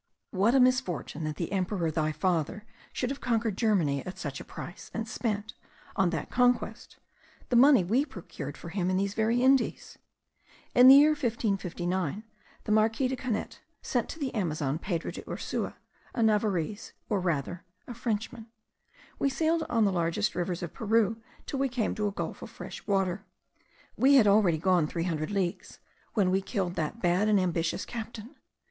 "What a misfortune that the Emperor, thy father, should have conquered Germany at such a price, and spent, on that conquest, the money we procured for him in these very Indies! In the year 1559 the Marquis de Canete sent to the Amazon, Pedro de Ursua, a Navarrese, or rather a Frenchman: we sailed on the largest rivers of Peru till we came to a gulf of fresh water. We had already gone three hundred leagues when we killed that bad and ambitious captain.